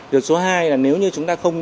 điều số hai là nếu như chúng ta không